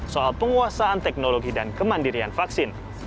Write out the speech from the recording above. soal penguasaan teknologi dan kemanusiaan